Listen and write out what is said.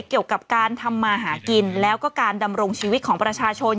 เกี่ยวกับการทำมาหากินแล้วก็การดำรงชีวิตของประชาชน